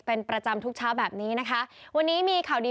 เป็นประจำทุกเช้าแบบนี้นะคะวันนี้มีข่าวดี